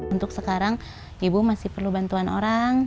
untuk sekarang ibu masih perlu bantuan orang